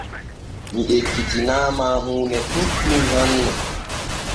Mi ekkitinaama huune ɗuuɗɗum hanne.